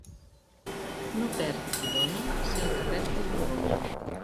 No perd qui dóna si el que rep té vergonya.